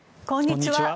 こんにちは。